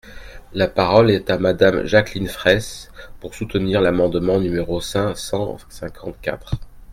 La parole est à Madame Jacqueline Fraysse, pour soutenir l’amendement numéro cinq cent cinquante-quatre.